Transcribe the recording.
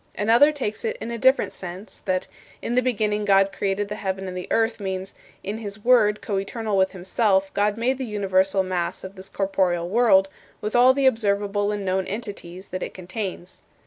Another takes it in a different sense, that "In the beginning God created the heaven and the earth" means, "In his Word, coeternal with himself, God made the universal mass of this corporeal world, with all the observable and known entities that it contains."